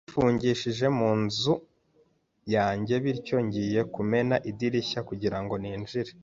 Nifungishije mu nzu yanjye, bityo ngiye kumena idirishya kugirango ninjire.